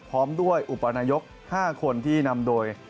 พร้อมด้วยอุปนายก๕คนที่นำโดย